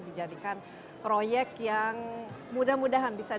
dijadikan proyek yang mudah mudahan bisa